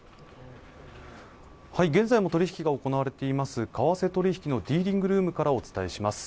現在も取引が行われています為替取引のディーリングルームからお伝えします